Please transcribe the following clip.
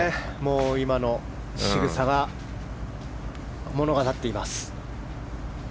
今のしぐさが物語っています。